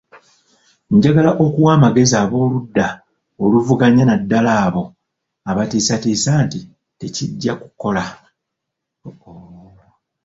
Njagala okuwa amagezi ab'oludda oluvuganya naddala abo abatiisatiisa nti tekijja kukola.